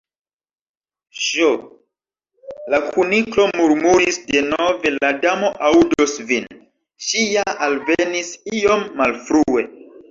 "Ŝ—!" la Kuniklo murmuris denove "la Damo aŭdos vin. Ŝi ja alvenis iom malfrue.